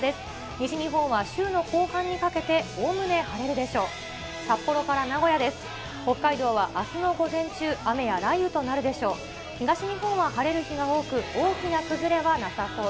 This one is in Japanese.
西日本は週の後半にかけて、おおむね晴れるでしょう。